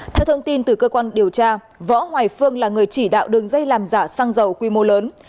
theo thông tin từ cơ quan điều tra võ hoài phương là người chỉ đạo đường dây làm giả xăng dầu quy mô lớn